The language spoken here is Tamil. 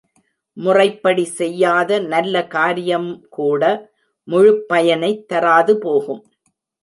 முறைப்படி செய்யாத நல்ல காரியம்கூட முழுப் பயனைத் தராதுபோகும்.